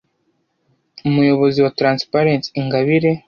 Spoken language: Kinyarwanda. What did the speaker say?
Umuyobozi wa Transparency Ingabire